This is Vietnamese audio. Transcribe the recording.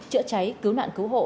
chữa cháy cứu nạn cứu hộ